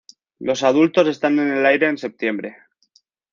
Los adultos están en el aire en septiembre.